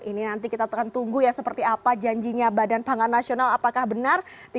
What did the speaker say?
ini nanti kita akan tunggu ya seperti apa janjinya badan pangan nasional apakah benar